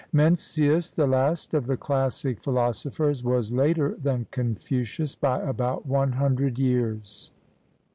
Mencius, the last of the classic phi losophers, was later than Confucius by about one hundred years.